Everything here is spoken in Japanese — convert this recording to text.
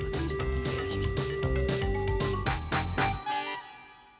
失礼いたしました。